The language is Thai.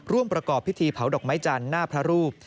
ประกอบพิธีเผาดอกไม้จันทร์หน้าพระรูป